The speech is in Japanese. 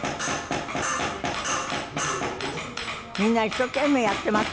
みんな一生懸命やっていますね。